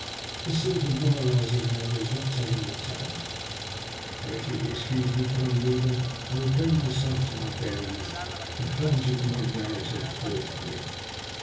This sort of moralising, however, is not telling my tale ; so if you will excuse me, kind reader, I will bring myself to my bearings and plunge into my narrative forthwith.